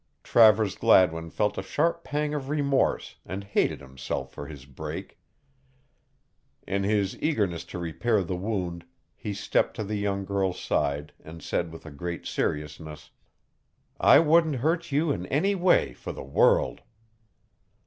Travers Gladwin felt a sharp pang of remorse and hated himself for his break. In his eagerness to repair the wound, he stepped to the young girl's side and said with great seriousness: "I wouldn't hurt you in any way for the world."